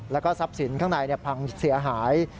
แล้วก็ทรัพย์สินข้างในพังเสียหาย